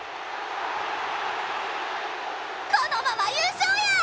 このまま優勝やー！